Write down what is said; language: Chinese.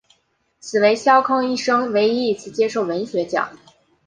此为萧沆一生唯一一次接受文学奖。